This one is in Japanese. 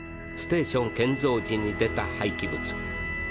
ステーション建造時に出たはいき物。